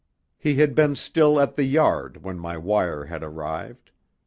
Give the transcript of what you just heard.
He had been still at "The Yard" when my wire had arrived.